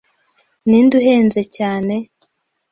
Ninde uhenze cyane?